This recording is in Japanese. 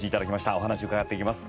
お話伺っていきます。